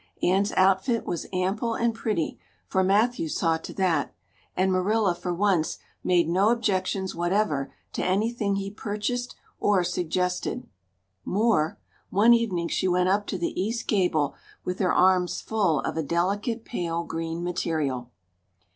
Anne's outfit was ample and pretty, for Matthew saw to that, and Marilla for once made no objections whatever to anything he purchased or suggested. More one evening she went up to the east gable with her arms full of a delicate pale green material.